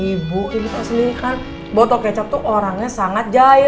ibu ini pasti kan botol kecap tuh orangnya sangat jahil